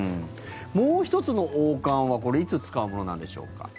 もう１つの王冠はいつ使うものなんでしょうか？